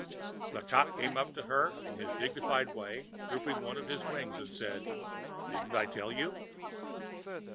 The Cock came up to her in his dignified way, drooped one of his wings, and said: "Didn't I tell you?"